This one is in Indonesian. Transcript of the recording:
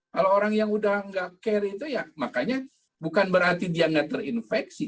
kalau orang yang udah nggak care itu ya makanya bukan berarti dia nggak terinfeksi